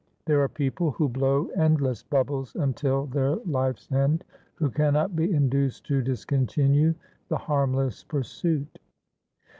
There are people who blow endless bubbles until their life's end, who cannot be induced to discontinue the harmless pursuit.